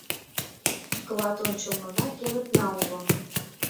Клат ончылнына кевытна уло